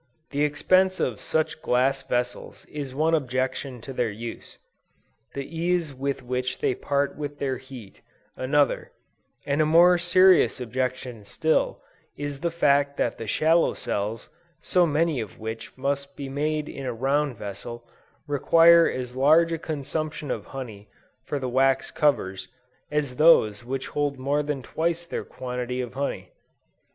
The expense of such glass vessels is one objection to their use; the ease with which they part with their heat, another, and a more serious objection still, is the fact that the shallow cells, so many of which must be made in a round vessel, require as large a consumption of honey for their wax covers, as those which hold more than twice their quantity of honey.